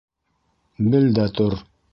Бел дә тор.